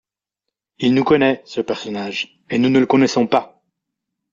Il nous connaît, ce personnage, et nous ne le connaissons pas!